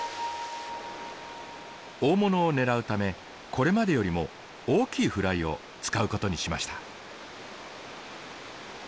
大物を狙うためこれまでよりも大きいフライを使うことにしました。